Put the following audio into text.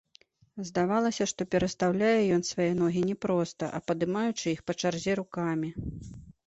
Здавалася, што перастаўляе ён свае ногі не проста, а падымаючы іх па чарзе рукамі.